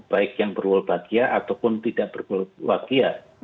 baik yang berwolbachia ataupun tidak berwolbachia